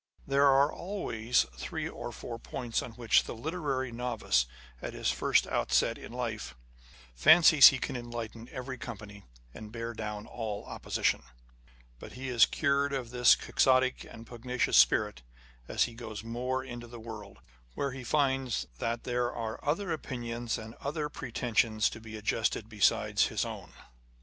There are always three or four points on which the literary novice at his first outset in life fancies he can enlighten every company, and bear down all opposition : but he is cured of this quixotic and pugnacious spirit, as he goes more into the world, where he finds that there are other opinions and other pretensions to be adjusted besides his own.